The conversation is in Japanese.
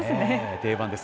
定番です。